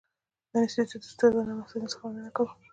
د انسټیټوت استادانو او محصلینو څخه مننه کوو.